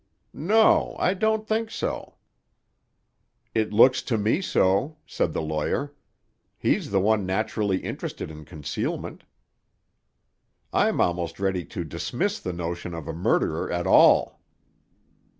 "No. I don't think so." "It looks to me so," said the lawyer. "He's the one naturally interested in concealment." "I'm almost ready to dismiss the notion of a murderer at all."